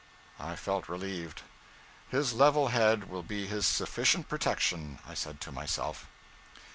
I felt relieved. 'His level head will be his sufficient protection,' I said to myself.